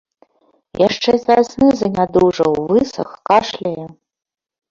Яшчэ з вясны занядужаў, высах, кашляе.